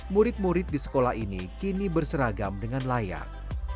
murid murid di sekolah ini kini berseragam dengan layak